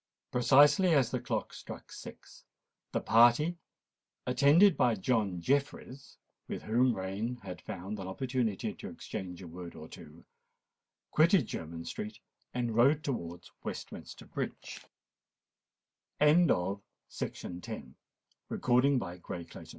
Precisely as the clock struck six, the party, attended by John Jeffreys, with whom Rain had found an opportunity to exchange a word or two, quitted Jermyn Street, and rode towards Westminster Bridge.